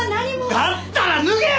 だったら脱げよ！